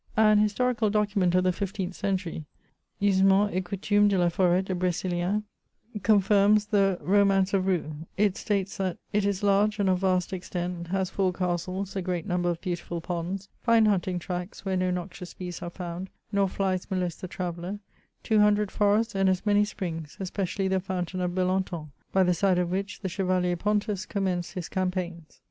An historical document of the fifteenth century —'' Usemei^ et coutumes de la foret de Br^cilien," confirms the Romance of Rou : it states that " it is huge and of vast extent ; has four castles, a great number of beautiful ponds, fine hunting tracts, where no noxious beasts are found, nor flies molest the traveller ; two hundred forests, and as many springs, especially the fountain of Belenton, by the side of which the Chevalier Pontus commenced his campaigns."